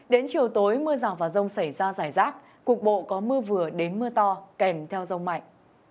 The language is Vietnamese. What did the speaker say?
đến chiều tối mưa rào và rông xảy ra giải rác cục bộ có mưa vừa đến mưa to kèm theo rông mạnh